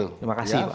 terima kasih pak